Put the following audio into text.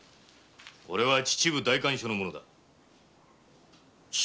オレは秩父代官所の者だ。